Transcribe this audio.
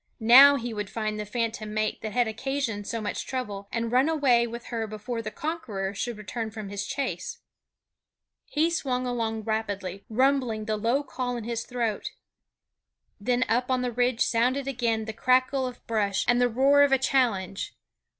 Now he would find the phantom mate that had occasioned so much trouble, and run away with her before the conqueror should return from his chase. He swung along rapidly, rumbling the low call in his throat. Then up on the ridge sounded again the crackle of brush and the roar of a challenge.